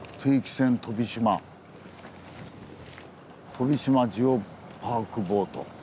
「飛島ジオパークポート」。